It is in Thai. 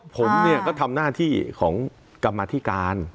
ผมเนี่ยก็ทำหน้าที่ของกรรมธิการ